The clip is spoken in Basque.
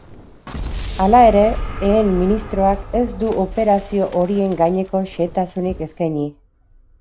Hala ere, ehen ministroak ez du operazio horien gaineko xehetasunik eskaini.